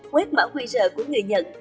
một quét mã quy rợ của người nhận